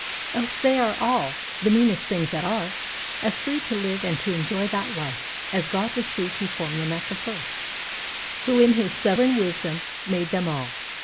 Else they are all the meanest things that are As free to live, and to enjoy that life, As God was free to form them at the first, Who in His sovereign wisdom made them all.